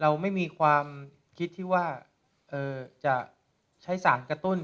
เราไม่มีความคิดที่ว่าจะใช้สารกระตุ้น